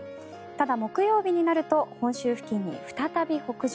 ただ、木曜日になると本州付近に再び北上。